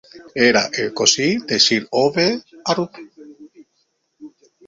Era el cosí de Sir Ove Arup.